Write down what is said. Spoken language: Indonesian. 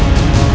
aku mau ke rumah